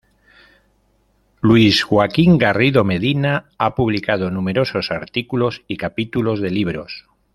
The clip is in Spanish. Luis Joaquín Garrido Medina ha publicado numerosos artículos y capítulos de libros.